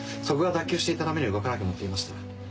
そこが脱臼していたために動かなくなっていました。